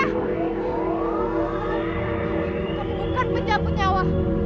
kamu bukan penjabut nyawa